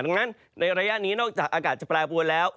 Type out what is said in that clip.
ดังนั้นในระยะนี้นอกจากอากาศจะแปรปวนแล้ว